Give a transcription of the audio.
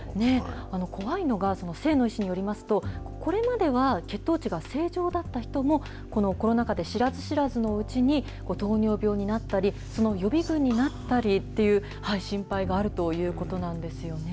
怖いのが、清野医師によりますと、これまでは血糖値が正常だった人も、このコロナ禍で、知らず知らずのうちに糖尿病になったり、その予備群になったりという心配があるということなんですよね。